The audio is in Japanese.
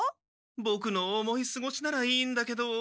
ボクの思いすごしならいいんだけど。